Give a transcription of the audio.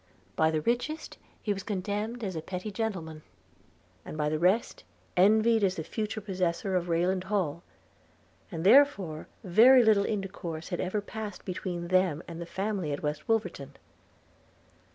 By the richest he was contemned as a petty gentleman; and by the rest envied as the future possessor of Rayland Hall – and therefore very little intercourse had ever passed between them and the family at West Wolverton.